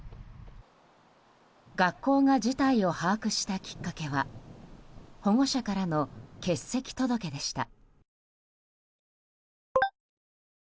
学校が事態を把握したきっかけは保護者からの欠席届でした。